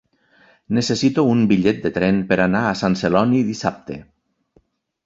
Necessito un bitllet de tren per anar a Sant Celoni dissabte.